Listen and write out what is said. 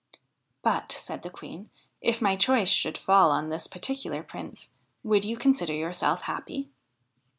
' But,' said the Queen, ' if my choice should fall on this par ticular Prince, would you consider yourself happy